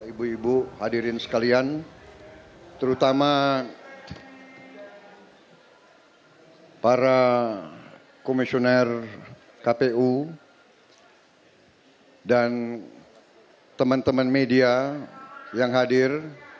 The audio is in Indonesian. ibu ibu hadirin sekalian terutama para komisioner kpu dan teman teman media yang hadir